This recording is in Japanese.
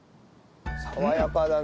爽やかだな。